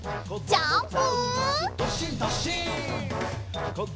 ジャンプ！